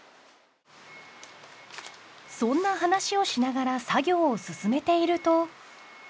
そんな話をしながら作業を進めていると。